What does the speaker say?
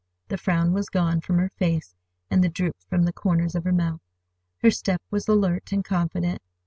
The frown was gone from her face and the droop from the corners of her mouth. Her step was alert and confident.